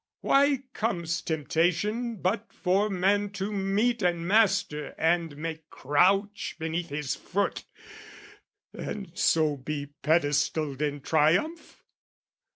Why comes temptation but for man to meet And master and make crouch beneath his foot, And so be pedestalled in triumph?